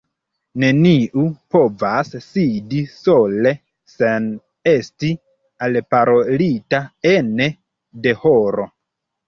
Neniu povas sidi sole sen esti alparolita ene de horo.